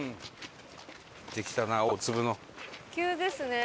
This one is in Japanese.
急ですね。